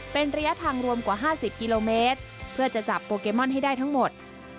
เป็นระยะทางรวมกว่า๕๐กิโลเมตรเพื่อจะจับโปเกมอนให้ได้ทั้งหมด